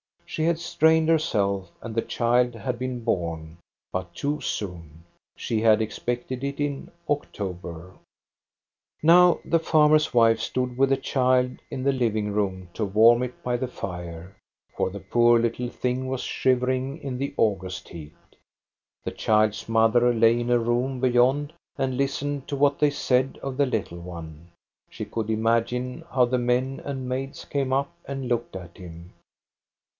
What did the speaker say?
She had strained herself, and the child had been born, but too soon. She had expected it in October. Now the farmer's wife stood with the child in the living room to warm it by the fire, for the poor little thing was shivering in the August heat. The child's mother lay in a room beyond and listened to what they said of the little one. She could imagine how the men and maids came up and looked at him.